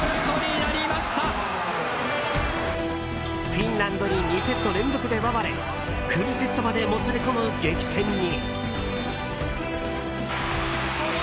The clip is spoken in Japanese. フィンランドに２セット連続で奪われフルセットまでもつれ込む激戦に。